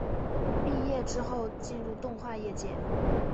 毕业之后进入动画业界。